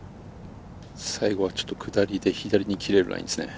最後はちょっと下りで、左に切れるラインですね。